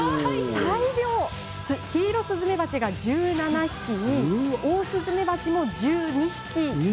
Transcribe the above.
キイロスズメバチが１７匹にオオスズメバチも１２匹。